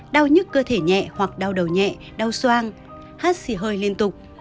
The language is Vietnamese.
đau nhức cơ thể nhẹ hoặc đau đầu nhẹ đau soang hát xì hơi liên tục